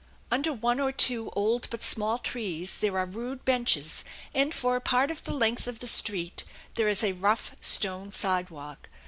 Under one or two old but small trees there are rude benches; and for a part of the length of the street there is a rough stone sidewalk.